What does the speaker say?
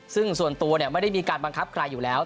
ซึ่งส่วนตัวไม่ได้มีการบังคับใครอยู่แล้ว